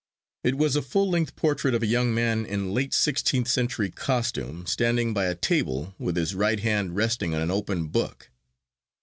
It was a full length portrait of a young man in late sixteenth century costume, standing by a table, with his right hand resting on an open book.